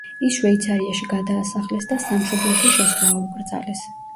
ის შვეიცარიაში გადაასახლეს და სამშობლოში შესვლა აუკრძალეს.